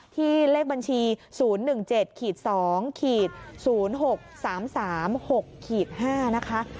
เลขบัญชี๐๑๗๒๐๖๓๓๖๕นะคะ